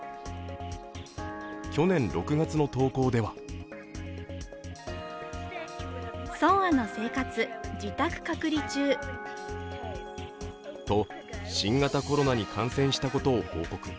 去年６月の投稿ではと新型コロナに感染したことを報告。